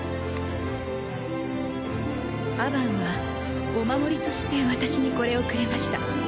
アバンはお守りとして私にこれをくれました。